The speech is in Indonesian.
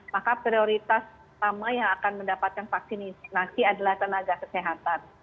maka prioritas pertama yang akan mendapatkan vaksinasi adalah tenaga kesehatan